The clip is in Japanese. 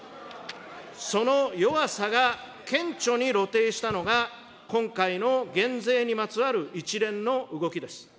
その弱さが顕著に露呈したのが、今回の減税にまつわる一連の動きです。